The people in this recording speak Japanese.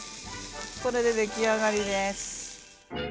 これでできあがりです。